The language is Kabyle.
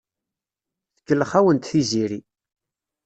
Tkellex-awent Tiziri.